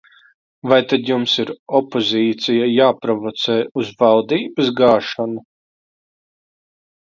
Vai tad jums ir opozīcija jāprovocē uz valdības gāšanu?